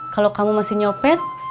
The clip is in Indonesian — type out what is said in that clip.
kalau kamu masih nyopet